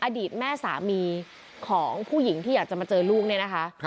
อดีตแม่สามีของผู้หญิงที่อยากจะมาเจอลูกเนี่ยนะคะ